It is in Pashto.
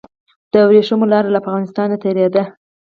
د ورېښمو لاره له افغانستان څخه تیریده